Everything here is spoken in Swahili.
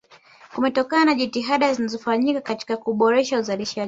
kumetokana na jitihada zinazofanyika katika kuboresha uzalishaji